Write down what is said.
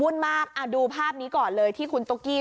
มากดูภาพนี้ก่อนเลยที่คุณตุ๊กกี้